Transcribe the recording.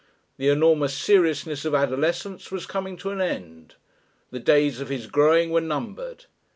The enormous seriousness of adolescence was coming to an end; the days of his growing were numbered.